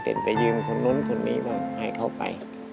ติดไปยืมคนนั้นคนนี้ให้เข้าไป